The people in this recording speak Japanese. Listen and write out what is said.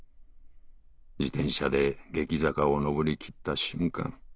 自転車で激坂を登り切った瞬間